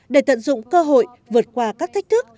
để tận dụng cơ hội vượt qua các thách thức